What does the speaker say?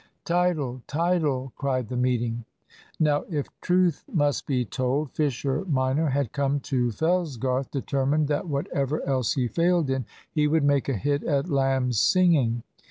"Title! title!" cried the meeting. Now, if truth must be told, Fisher minor had come to Fellsgarth determined that whatever else he failed in, he would make a hit at "lamb's singing."